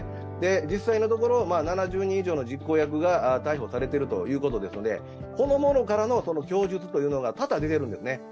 実際のところ、７０人以上の実行役が逮捕されているということですので、その者からの供述が多々出ているんですね。